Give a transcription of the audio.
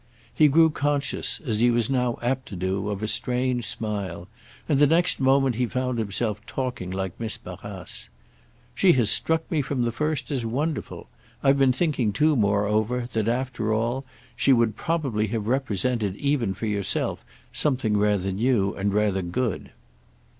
He grew conscious, as he was now apt to do, of a strange smile, and the next moment he found himself talking like Miss Barrace. "She has struck me from the first as wonderful. I've been thinking too moreover that, after all, she would probably have represented even for yourself something rather new and rather good."